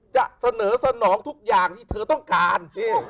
จะเสนอสนองทุกอย่างที่เธอต้องการ